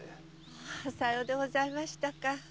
さようでございましたか。